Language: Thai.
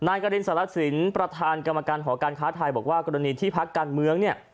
กรินสารสินประธานกรรมการหอการค้าไทยบอกว่ากรณีที่พักการเมืองเนี่ย